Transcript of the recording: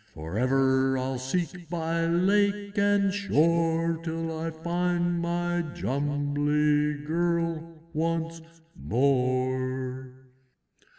For ever I'll seek by lake and shore Till I find my Jumbly Girl once more!"